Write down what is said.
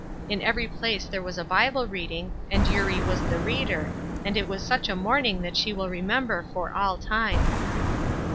In every place there was Bible reading, and Eurie was the reader, and it was such a morning that she will remember for all time.